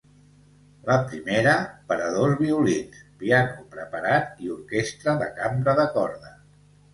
La primera, per a dos violins, piano preparat i orquestra de cambra de corda.